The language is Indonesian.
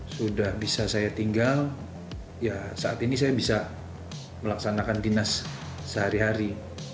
sudah bisa saya tinggal ya saat ini saya bisa melaksanakan dinas sehari hari